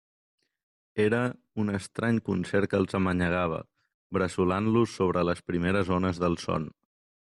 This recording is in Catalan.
Era un estrany concert que els amanyagava, bressolant-los sobre les primeres ones del son.